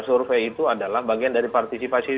survei itu adalah bagian dari partisipasi